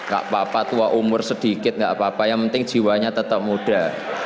gak apa apa tua umur sedikit gak apa apa yang penting jiwanya tetap muda